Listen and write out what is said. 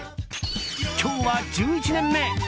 今日は１１年目。